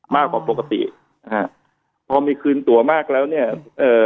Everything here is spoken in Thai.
มากกว่าปกตินะฮะพอมีคืนตัวมากแล้วเนี่ยเอ่อ